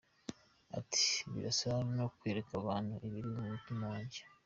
Ati “Birasa no kwereka abantu ibiri ku mutima wanjye.